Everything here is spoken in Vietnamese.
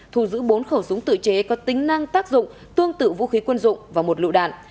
thu giữ bốn khẩu súng tự chế có tính năng tác dụng tương tự vũ khí quân dụng và một lụ đạn